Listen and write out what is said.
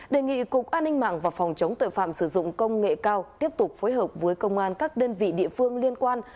đề nghị cục an ninh mạng và phòng chống tội phạm sử dụng công nghệ cao tiếp tục phối hợp với công an các đơn vị địa phương liên quan